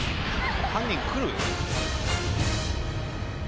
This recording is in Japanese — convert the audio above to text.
犯人来る？